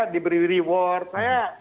diberi reward saya